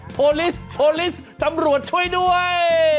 โทรลิสต์จำรวจช่วยด้วย